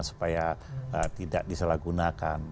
supaya tidak disalahgunakan